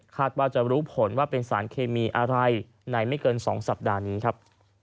ว่าจะรู้ผลว่าเป็นสารเคมีอะไรในไม่เกิน๒สัปดาห์นี้ครับ